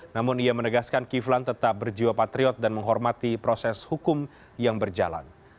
namun ia menegaskan kiflan tetap berjiwa patriot dan menghormati proses hukum yang berjalan